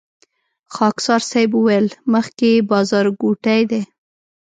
خاکسار صیب وويل مخکې بازارګوټی دی.